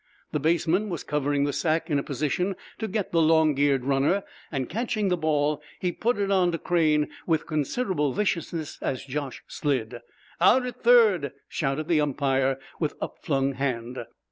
The baseman was covering the sack in a position to get the long geared runner, and, catching the ball, he put it on to Crane with considerable viciousness as Josh slid. "Out at third!" shouted the umpire, with up flung hand.